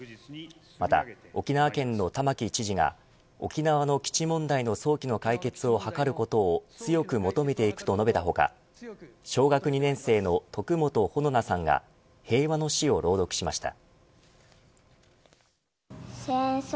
また沖縄県の玉城知事が沖縄基地問題の早期の解決を図ることを強く求めていくと述べた他小学２年生の徳元穂菜さんが平和の詩を朗読しました。